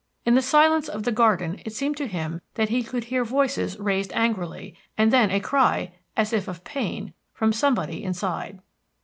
In the silence of the garden it seemed to him that he could hear voices raised angrily, and then a cry, as if of pain, from somebody inside.